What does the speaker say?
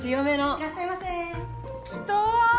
いらっしゃいませ！